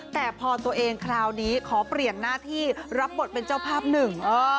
แต่พอตัวเองคราวนี้ขอเปลี่ยนหน้าที่รับบทเป็นเจ้าภาพหนึ่ง